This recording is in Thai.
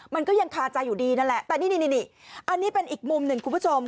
มันก็ยังคาใจอยู่ดีนั่นแหละแต่นี่นี่อันนี้เป็นอีกมุมหนึ่งคุณผู้ชม